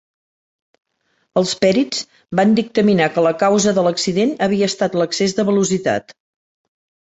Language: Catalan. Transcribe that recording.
Els pèrits van dictaminar que la causa de l'accident havia estat l'excés de velocitat.